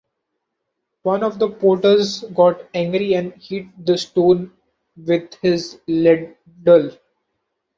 One of the porters got angry and hit the stone with his ladle.